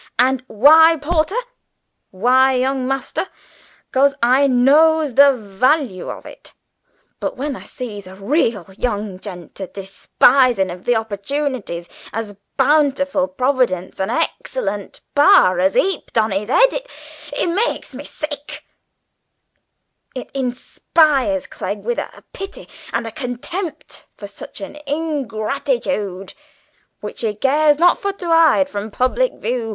And why, porter? Why, young master? 'Cause I knows the vally on it! But when I sees a real young gent a despisin' of the oppertoonities as a bountiful Providence and a excellent par has 'eaped on his 'ed, it it makes me sick, it inspires Clegg with a pity and a contemp' for such ingratitood, which he cares not for to 'ide from public voo!"